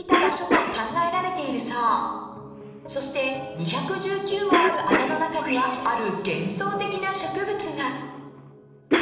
［そして２１９もある穴の中にはある］